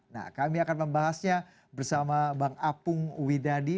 nah kami akan membahasnya bersama bang apung widadi